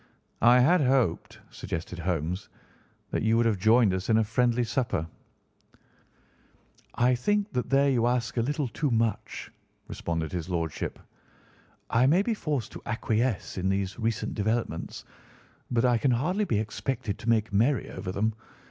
"I had hoped," suggested Holmes, "that you would have joined us in a friendly supper." "I think that there you ask a little too much," responded his Lordship. "I may be forced to acquiesce in these recent developments, but I can hardly be expected to make merry over them.